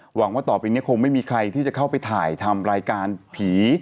หวังว่าต่อไปนี้คงไม่มีใครที่จะเข้าไปถ่ายทำรายการผี